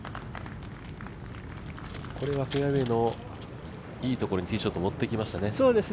これはフェアウエーのいいところにティーショット持ってきましたね